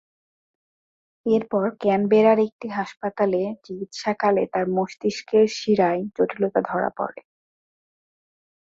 এরপর ক্যানবেরার একটি হাসপাতালে চিকিৎসাকালে তাঁর মস্তিষ্কের শিরায় জটিলতা ধরা পড়ে।